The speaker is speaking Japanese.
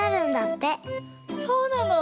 そうなの？